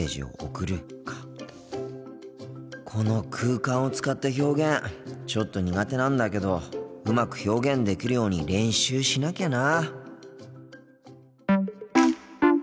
この空間を使った表現ちょっと苦手なんだけどうまく表現できるように練習しなきゃな。